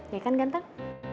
ya kan ganteng